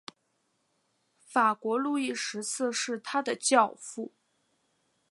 法国路易十四是他的教父。